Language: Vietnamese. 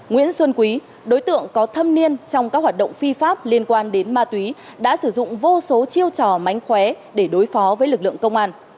nguyễn xuân quý đối tượng có thâm niên trong các hoạt động phi pháp liên quan đến ma túy đã sử dụng vô số chiêu trò mánh khóe để đối phó với lực lượng công an